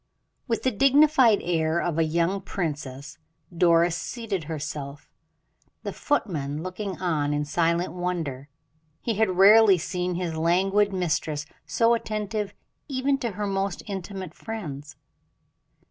With the dignified air of a young princess, Doris seated herself, the footman looking on in silent wonder; he had rarely seen his languid mistress so attentive even to her most intimate friends.